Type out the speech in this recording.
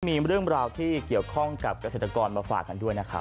มีเรื่องราวที่เกี่ยวข้องกับเกษตรกรมาฝากกันด้วยนะครับ